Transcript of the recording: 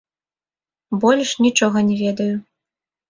Больш нічога не ведаю.